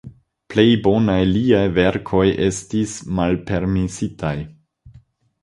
Plej bonaj liaj verkoj estis malpermesitaj.